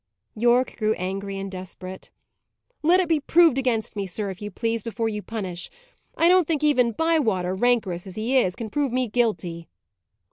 Yorke grew angry and desperate. "Let it be proved against me, sir, if you please, before you punish. I don't think even Bywater, rancorous as he is, can prove me guilty."